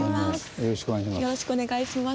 よろしくお願いします。